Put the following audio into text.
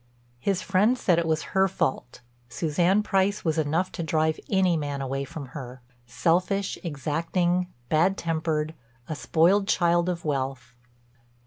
His friends said it was her fault; Suzanne Price was enough to drive any man away from her—selfish, exacting, bad tempered, a spoiled child of wealth.